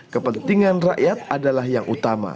kepentingan rakyat adalah yang utama